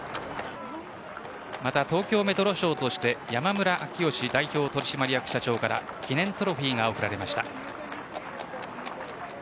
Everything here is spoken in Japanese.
東京メトロ賞として山村明義代表取締役社長から記念トロフィーが贈られました。